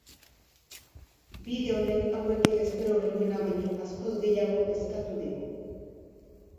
Bide honek aurretik espero genuena baino askoz gehiago eskatu digu.